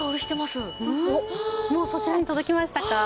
もうそちらに届きましたか？